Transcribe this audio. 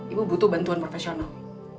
ibu butuh bantuan profesional